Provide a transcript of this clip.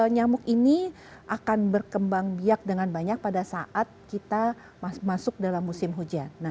nyamuk ini akan berkembang biak dengan banyak pada saat kita masuk dalam musim hujan